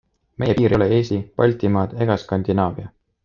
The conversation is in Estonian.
Meie piir ei ole Eesti, Baltimaad ega Skandinaavia.